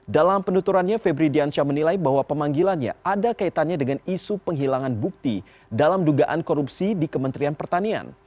dalam penuturannya febri diansyah menilai bahwa pemanggilannya ada kaitannya dengan isu penghilangan bukti dalam dugaan korupsi di kementerian pertanian